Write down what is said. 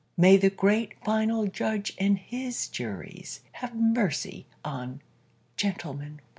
May the great Final Judge and His juries Have mercy on "Gentleman, One"!